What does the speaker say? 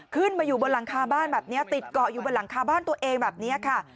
ขึ้นมาอยู่บนหลังคาบ้านแบบนี้ติดเกาะอยู่บนหลังคาบ้านตัวเองแบบนี้ค่ะ